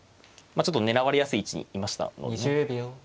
ちょっと狙われやすい位置にいましたのでね。